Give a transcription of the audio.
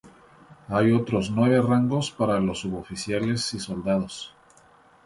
Hay otros nueve rangos para los suboficiales y soldados.